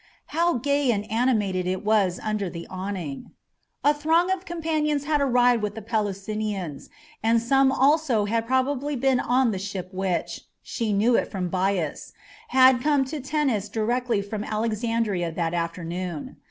How gay and animated it was under the awning! A throng of companions had arrived with the Pelusinians, and some also had probably been on the ship which she knew it from Bias had come to Tennis directly from Alexandria that afternoon.